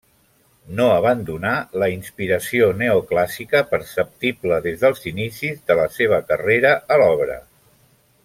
No abandonà la inspiració neoclàssica perceptible des dels inicis de la seva carrera a l'obra.